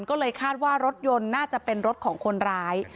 ก็เลยคาดว่ารถยนต์น่าจะเป็นรถของคนร้าย